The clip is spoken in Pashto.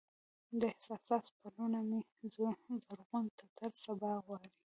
د احساس پلونه مې زرغون ټټر سبا غواړي